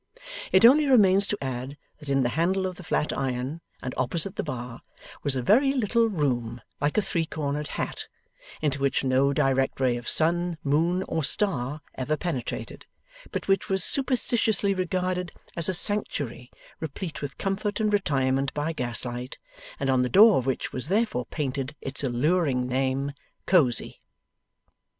It only remains to add that in the handle of the flat iron, and opposite the bar, was a very little room like a three cornered hat, into which no direct ray of sun, moon, or star, ever penetrated, but which was superstitiously regarded as a sanctuary replete with comfort and retirement by gaslight, and on the door of which was therefore painted its alluring name: Cosy.